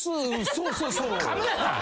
そうそうそう。